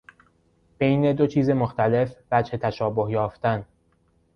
بین دو چیز مختلف، وجه تشابه یافتن